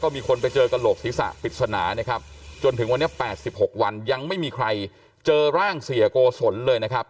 มีคนไปเจอกระโหลกศีรษะปริศนานะครับจนถึงวันนี้๘๖วันยังไม่มีใครเจอร่างเสียโกศลเลยนะครับ